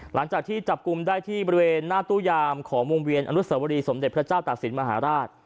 หลังจากที่จับกลุ่มได้ที่บริเวณหน้าตู้ยามของวงเวียนอนุสวรีสมเด็จพระเจ้าตากศิลปมหาราช